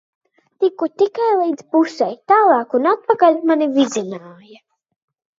Tiku tikai līdz pusei, tālāk un atpakaļ mani vizināja.